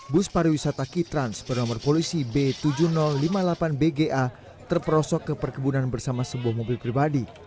bus pariwisata kitrans bernomor polisi b tujuh ribu lima puluh delapan bga terperosok ke perkebunan bersama sebuah mobil pribadi